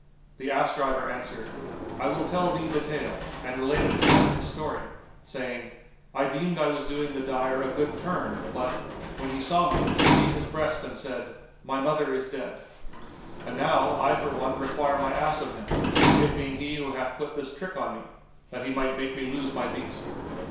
The ass driver answered, "I will tell thee the tale," and related to them his story, saying, "I deemed I was doing the dyer a good turn; but, when he saw me he beat his breast and said, 'My mother is dead.' And now, I for one require my ass of him, it being he who hath put this trick on me, that he might make me lose my beast."